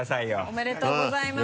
おめでとうございます。